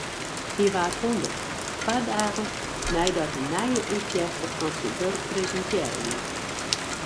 Hy waard hûndert, twa dagen neidat in nije útjefte fan syn wurk presintearre wie.